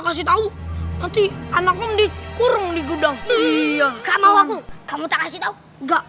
kasih tahu nanti anakku dikurung di gudang iya kamu aku kamu tak kasih tahu enggak